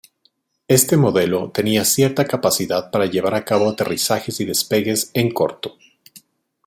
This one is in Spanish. Este modelo tenía cierta capacidad para llevar a cabo aterrizajes y despegues en corto.